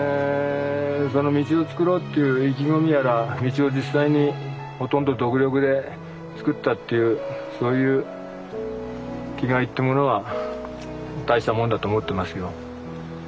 その道を作ろうっていう意気込みやら道を実際にほとんど独力で作ったっていうそういう気概ってものは大したもんだと思ってますよ。